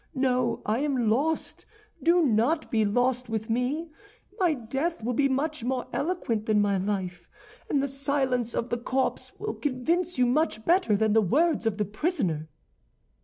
No, I am lost; do not be lost with me. My death will be much more eloquent than my life, and the silence of the corpse will convince you much better than the words of the prisoner."